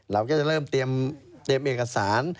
เราก็จะเริ่มเตรียมเอกสาร